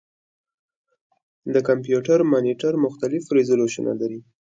د کمپیوټر مانیټر مختلف ریزولوشنونه لري.